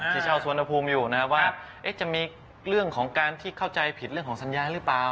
ชาวสวนภูมิอยู่นะครับว่าจะมีเรื่องของการที่เข้าใจผิดเรื่องของสัญญาหรือเปล่า